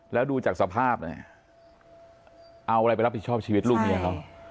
แล้วดูจากสภาพเนี่ยเอาอะไรไปรับผิดชอบชีวิตลูกเมียเขา